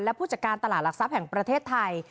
และผู้จัดการตลาดหลักทรัพย์แห่งประเทศไทย